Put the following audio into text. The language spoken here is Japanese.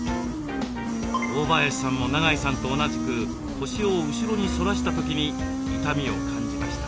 大林さんも長井さんと同じく腰を後ろに反らした時に痛みを感じました。